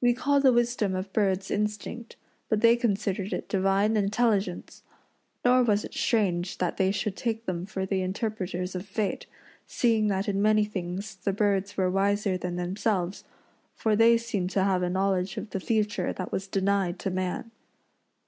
We call the wisdom of birds instinct, but they considered it divine intelligence. Nor was it strange that they should take them for the interpreters of fate, seeing that in many things the birds were wiser than themselves, for they seemed to have a knowledge of the future that was denied to man.